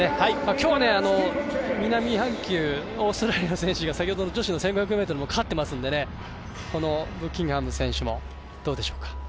今日、南半球オーストラリアの選手が先ほどの女子の１５００ｍも勝っていますからブッキンハム選手もどうでしょうか。